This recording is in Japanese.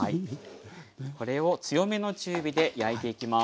これを強めの中火で焼いていきます。